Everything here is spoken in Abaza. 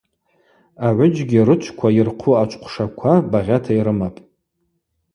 Агӏвыджьгьи рычвква йырхъу ачвхъвшаква багъьата йрымапӏ.